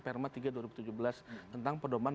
perma tiga dua ribu tujuh belas tentang pedoman